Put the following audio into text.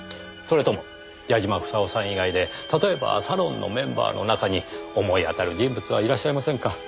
それとも矢嶋房夫さん以外で例えばサロンのメンバーの中に思い当たる人物はいらっしゃいませんか？